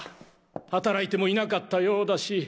働いてもいなかったようだし。